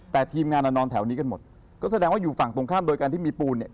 แต่ทีมงานเรานอนแถวนี้กันหมดก็แสดงว่าอยู่ฝั่งตรงข้ามโดยการที่มีปูนเนี่ย